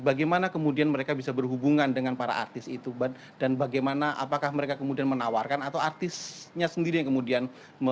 bagaimana kemudian mereka bisa berhubungan dengan para artis itu dan bagaimana apakah mereka kemudian menawarkan atau artisnya sendiri yang kemudian